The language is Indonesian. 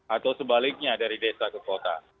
atau sebaliknya dari desa ke kota